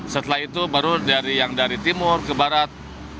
setelah itu baru yang dari timur ke barat